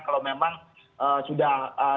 kalau memang sudah tiga bulan